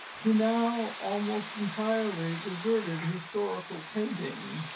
He now almost entirely deserted historical painting.